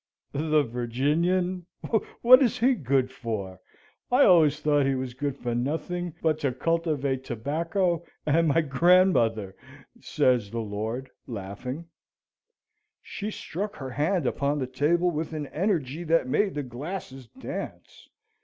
"The Virginian? What is he good for? I always thought he was good for nothing but to cultivate tobacco and my grandmother," says my lord, laughing. She struck her hand upon the table with an energy that made the glasses dance.